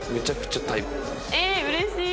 ええーうれしい！